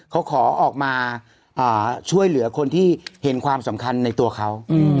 เขาขอออกมาช่วยเหลือคนที่เห็นความสำคัญในตัวเขา